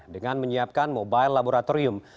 dengan menyiapkan mobile laboratorium